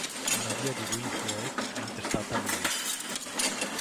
Una via di Windhoek è intestata a lui.